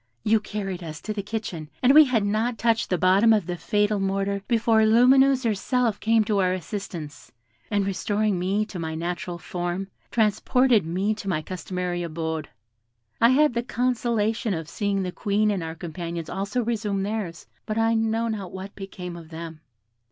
You carried us to the kitchen, and we had not touched the bottom of the fatal mortar before Lumineuse herself came to our assistance, and restoring me my natural form, transported me to my customary abode. I had the consolation of seeing the Queen and our companions also resume theirs, but I know not what became of them.